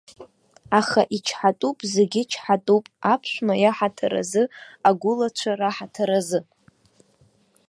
Аха ичҳатәуп, зегьы чҳатәуп, аԥшәма иаҳаҭыр азы, агәылацәа раҳаҭыр азы.